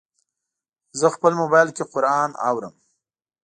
زه خپل موبایل کې قرآن اورم.